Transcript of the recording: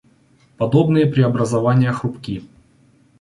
Подобные преобразования хрупки.